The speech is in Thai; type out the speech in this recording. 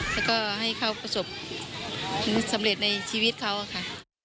แล้วก็ให้เขาประสบสำเร็จในชีวิตเขาค่ะ